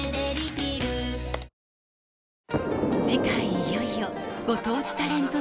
いよいよご当地タレント